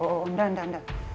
oh enggak enggak enggak